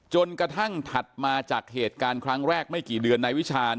กระทั่งถัดมาจากเหตุการณ์ครั้งแรกไม่กี่เดือนนายวิชาณ